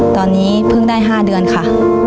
ตอนนี้เพิ่งได้๕เดือนค่ะ